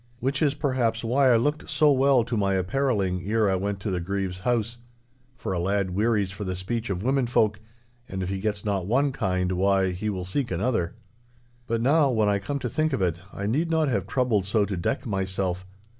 Which is, perhaps, why I looked so well to my apparelling ere I went to the Grieve's house. For a lad wearies for the speech of women folk, and if he gets not one kind—why, he will seek another. But now, when I come to think of it, I need not have troubled so to deck myself.